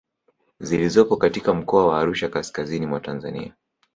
zilizopo katika mkoa wa Arusha kaskazizini mwa Tanzania